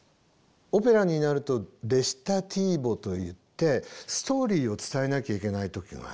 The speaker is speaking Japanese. オペラになるとレチタティーボといってストーリーを伝えなきゃいけない時がある。